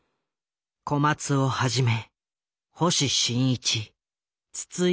小松をはじめ星新一筒井